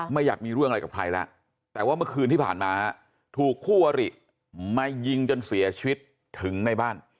อยากมีเรื่องอะไรกับใครแล้วแต่ว่าเมื่อคืนที่ผ่านมาถูกคู่อริมายิงจนเสียชีวิตถึงในบ้าน